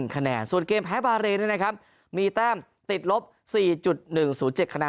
๒๒๖๑คะแนนส่วนเกมแพ้บาเลนะครับมีแต้มติดลบ๔๑๐๗คะแนน